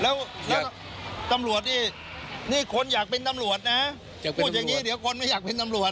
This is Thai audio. แล้วตำรวจนี่นี่คนอยากเป็นตำรวจนะพูดอย่างนี้เดี๋ยวคนไม่อยากเป็นตำรวจ